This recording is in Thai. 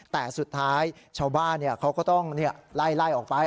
แต่สุดท้ายชาวบ้านเขาก็ต้องไล่ออกไป